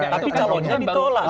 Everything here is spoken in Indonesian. tapi calonnya ditolak